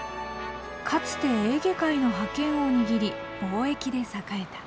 かつてエーゲ海の覇権を握り貿易で栄えた。